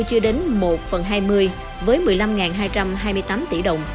chưa đến một phần hai mươi với một mươi năm hai trăm hai mươi tám tỷ đồng